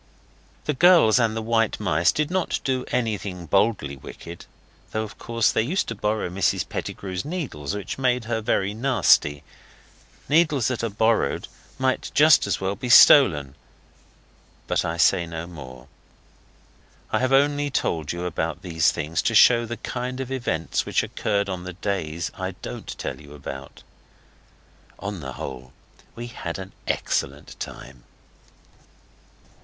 The girls and the white mice did not do anything boldly wicked though of course they used to borrow Mrs Pettigrew's needles, which made her very nasty. Needles that are borrowed might just as well be stolen. But I say no more. I have only told you these things to show the kind of events which occurred on the days I don't tell you about. On the whole, we had an excellent time.